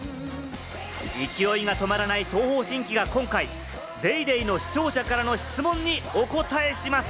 勢いが止まらない東方神起が今回、『ＤａｙＤａｙ．』の視聴者からの質問にお答えします。